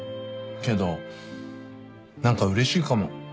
けど何かうれしいかも。